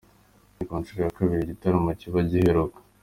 Ni ku nshuro ya kabiri iki gitaramo kiba, giheruka